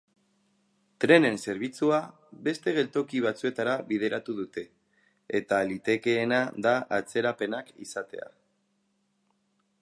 Trenen zerbitzua beste geltoki batzuetara bideratu dute, eta litekeena da atzerapenak izatea.